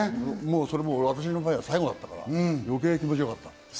私の場合は最後だったから余計、気持ちよかった。